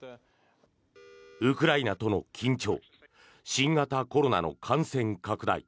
ウクライナとの緊張新型コロナの感染拡大